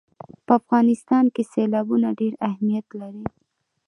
په افغانستان کې سیلابونه ډېر اهمیت لري.